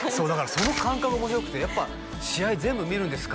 その感覚が面白くてやっぱ試合全部見るんですか？